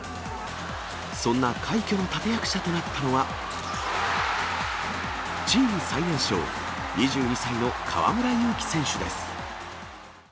そんな快挙の立て役者となったのは、チーム最年少、２２歳の河村勇輝選手です。